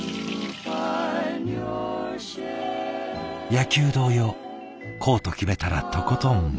野球同様こうと決めたらとことんいちず。